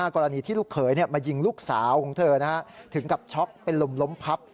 กรณีที่ลูกเขยมายิงลูกสาวของเธอถึงกับช็อกเป็นลมล้มพับ